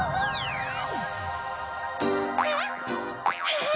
えっ？